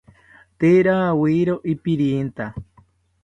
Tee rawiero ipirintha